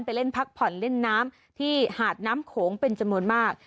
เล่นพักผ่อนเล่นน้ำที่หาดน้ำโขงเป็นจำนวนมาก